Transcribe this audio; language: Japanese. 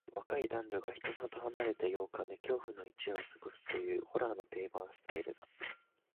若い男女が人里離れた洋館で恐怖の一夜を過ごすという、ホラーの定番スタイルだ。